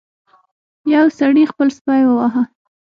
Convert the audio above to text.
یو سړي خپل سپی وواهه.